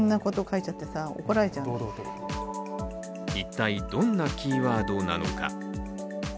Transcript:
一体、どんなキーワードなのか。